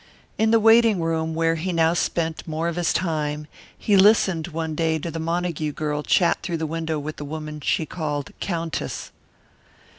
In the waiting room, where he now spent more of his time, he listened one day to the Montague girl chat through the window with the woman she called Countess.